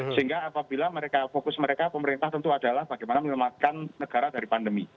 sehingga apabila fokus mereka pemerintah tentu adalah bagaimana menyelamatkan negara dari pandemi